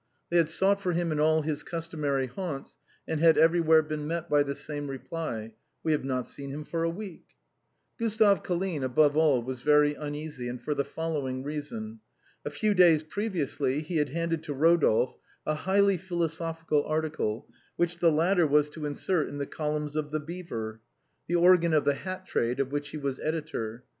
They had sought for him in all his customary haunts, and had everywhere been met by the same reply —" We have not seen him for a week." Gustave Colline above all was very uneasy, and for the following reason. A few days previously he had handed to Rodolphe a highly philosophical article, which the latter was to insert in the columns of " The Beaver," the organ of the hat trade, of which he was editor.